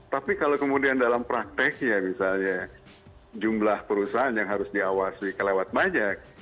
tapi kalau kemudian dalam prakteknya misalnya jumlah perusahaan yang harus diawasi kelewat banyak